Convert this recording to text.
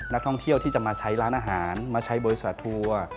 นักท่องเที่ยวที่จะมาใช้ร้านอาหารมาใช้บริษัททัวร์